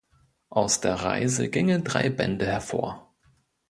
Aus der Reise gingen drei Bände hervor.